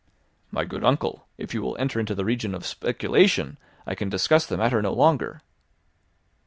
"My good uncle, if you will enter into the legion of speculation, I can discuss the matter no longer."